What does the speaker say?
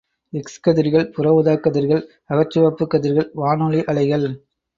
X கதிர்கள், புற ஊதாக் கதிர்கள், அகச் சிவப்புக் கதிர்கள், வானொலி அலைகள்.